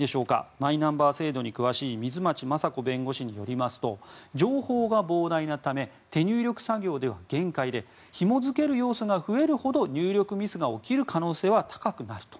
マイナンバー制度に詳しい水町雅子弁護士によりますと情報が膨大なため手入力作業では限界でひも付ける要素が増えるほど入力ミスが起きる可能性は高くなると。